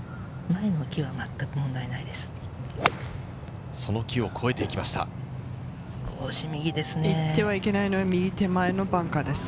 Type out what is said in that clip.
前の木はまったく問題ないです。